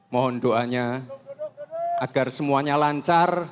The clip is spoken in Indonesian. mohon doanya agar semuanya lancar